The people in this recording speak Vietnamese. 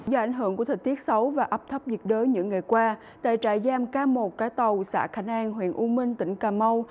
do ảnh hưởng của thực tiết xấu và áp thấp nhiệt đới những ngày qua tại trại giam k một cái tàu xã khánh an huyện u minh tỉnh cà mau